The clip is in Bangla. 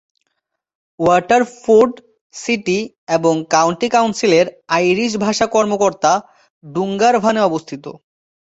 ওয়াটারফোর্ড সিটি এবং কাউন্টি কাউন্সিলের আইরিশ ভাষা কর্মকর্তা ডুঙ্গারভানে অবস্থিত।